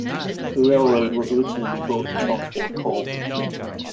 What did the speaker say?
The railroad was originally built to transport coal.